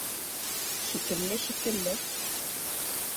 Шикелле, шикелле.